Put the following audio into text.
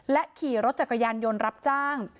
ขี่รถจักรยานยนต์รับจ้าง